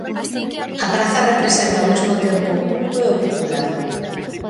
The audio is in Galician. A praza representa ao mesmo tempo o culto e o popular.